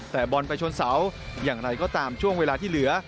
แต่บอลไปชนเสาอย่างไรก็ตามช่วงเวลาที่เหลือ